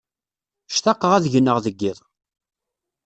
Ctaqeɣ ad gneɣ deg yiḍ.